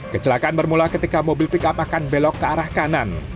kecelakaan bermula ketika mobil pick up akan belok ke arah kanan